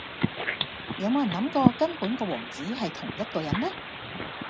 有冇人諗過根本個王子系同一個人呢?